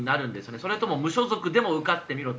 それとも無所属でも受かってみろと。